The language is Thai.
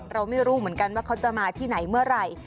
เราไม่รู้เหมือนกันว่าเขาจะมาที่ไหนเมื่อไหร่